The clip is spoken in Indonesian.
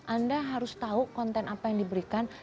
anda harus tahu konten apa yang diberikan